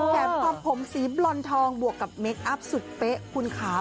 แถมความผมสีบรอนทองบวกกับเมคอัพสุดเป๊ะคุณคะ